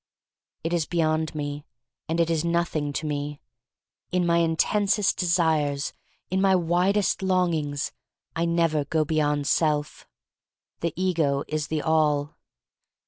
It is beyond me, and it is nothing to me. In my intensest desires — in my widest longings — I never go beyond self. The ego is the all.